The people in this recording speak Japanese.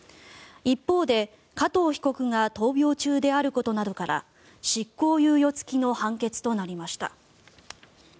一方で、加藤被告が闘病中であることなどから執行猶予付きの判決となりました。